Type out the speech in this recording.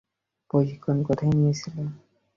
প্রশিক্ষণ কোথায় নিয়েছিলে?